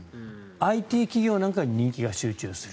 ＩＴ企業なんかに人気が集中する。